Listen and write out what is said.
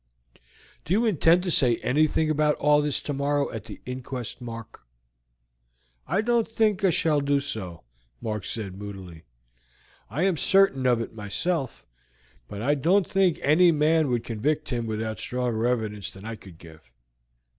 "Do you intend to say anything about all this tomorrow at the inquest, Mark?" "I don't think I shall do so," Mark said moodily. "I am certain of it myself, but I don't think any man would convict him without stronger evidence than I could give.